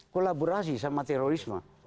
kolaborasi sama terorisme